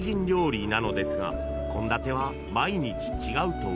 ［献立は毎日違うといい］